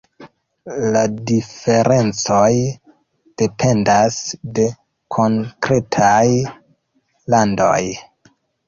La diferencoj dependas de konkretaj landoj.